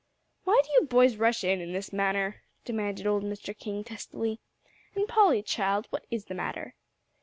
"Why do you boys rush in, in this manner?" demanded old Mr. King testily. "And, Polly, child, what is the matter?"